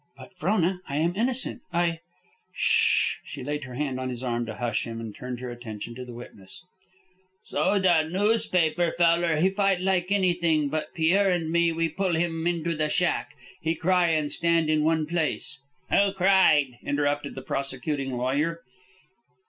"But, Frona, I am innocent. I " "S sh!" She laid her hand on his arm to hush him, and turned her attention to the witness. "So the noospaper feller, he fight like anything; but Pierre and me, we pull him into the shack. He cry and stand in one place " "Who cried?" interrupted the prosecuting lawyer.